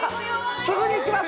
すぐに行きます！